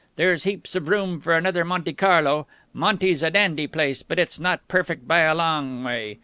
There's heaps of room for another Monte Carlo. Monte's a dandy place, but it's not perfect by a long way.